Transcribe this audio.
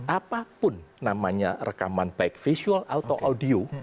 apapun namanya rekaman baik visual atau audio